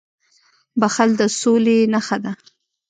• بښل د سولي نښه ده.